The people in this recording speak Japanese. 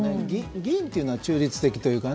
議員というのは中立的というか。